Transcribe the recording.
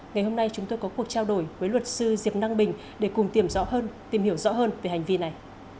ngày hôm nay chúng tôi có cuộc trao đổi với luật sư diệp năng bình để cùng tìm hiểu rõ hơn về hành vi này